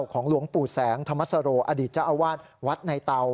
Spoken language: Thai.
หลวงปู่แสงธรรมสโรอดีตเจ้าอาวาสวัดในเตา